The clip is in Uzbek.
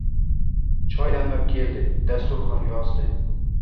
Choy damlab keldi. Dasturxon yozdi.